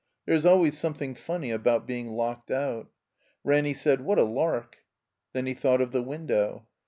There is always something ftmny about being locked out. Ranny said, "What a lark!" Then he thought of the window.